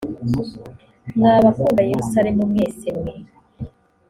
mwa bakunda yerusalemu mwese mwe